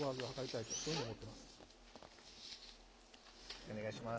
お願いします。